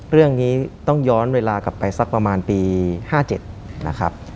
เรื่องนี้ต้องย้อนเวลากลับไปสักประมาณปี๕๗นะครับ